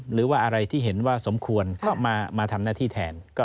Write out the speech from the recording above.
หรือว่าอะไรที่เห็นว่าสมควรก็มาทำหน้าที่แทน